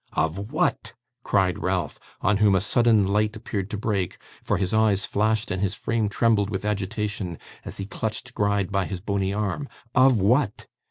'Of WHAT?' cried Ralph, on whom a sudden light appeared to break, for his eyes flashed and his frame trembled with agitation as he clutched Gride by his bony arm. 'Of what?